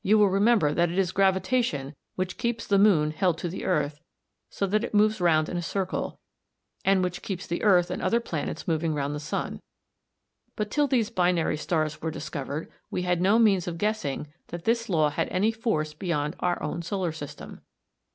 You will remember that it is gravitation which keeps the moon held to the earth so that it moves round in a circle, and which keeps the earth and other planets moving round the sun. But till these binary stars were discovered we had no means of guessing that this law had any force beyond our own solar system.